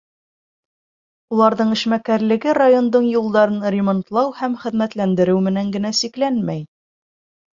Уларҙың эшмәкәрлеге райондың юлдарын ремонтлау һәм хеҙмәтләндереү менән генә сикләнмәй.